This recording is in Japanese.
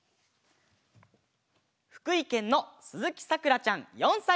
ふくいけんのすずきさくらちゃん４さいから。